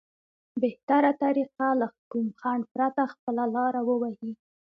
بهتره طريقه له کوم خنډ پرته خپله لاره ووهي.